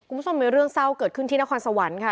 คุณผู้ชมมีเรื่องเศร้าเกิดขึ้นที่นครสวรรค์ค่ะ